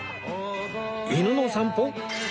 犬の散歩？